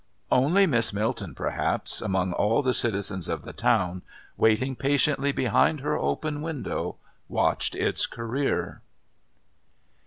Only Miss Milton, perhaps, among all the citizens of the town, waiting patiently behind her open window, watched its career.